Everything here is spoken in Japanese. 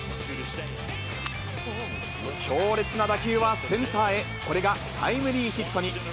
強烈な打球はセンターへ、これがタイムリーヒットに。